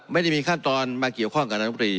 ไม่ได้มีขั้นตอนมาเกี่ยวข้องกับน้ำตรี